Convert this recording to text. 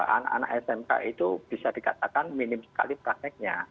anak anak smk itu bisa dikatakan minim sekali prakteknya